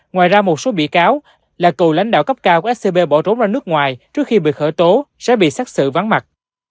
ngoài ra một số bị cáo là cựu lãnh đạo cấp cao của scb bỏ trốn ra nước ngoài trước khi bị khởi tố sẽ bị xét xử vắng mặt